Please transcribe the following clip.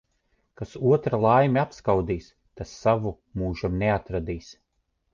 Kas otra laimi apskaudīs, tas savu mūžam neatradīs.